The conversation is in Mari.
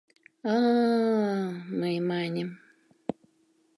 — А-а-а! — мый маньым.